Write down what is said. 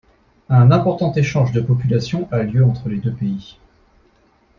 Un important échange de populations a lieu entre les deux pays.